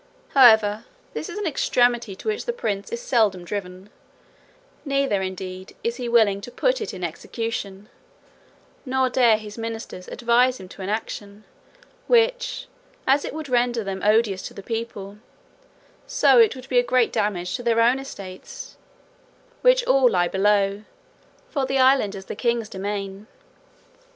However, this is an extremity to which the prince is seldom driven, neither indeed is he willing to put it in execution; nor dare his ministers advise him to an action, which, as it would render them odious to the people, so it would be a great damage to their own estates, which all lie below; for the island is the king's demesne.